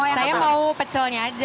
saya mau pecelnya aja